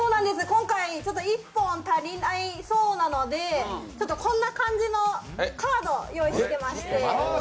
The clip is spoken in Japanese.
今回１本足りないそうなので、こんな感じのカード用意してまして。